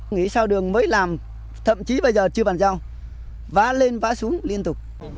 nghĩ sao đường mới làm thậm chí bây giờ chưa bàn giao vá lên vá xuống liên tục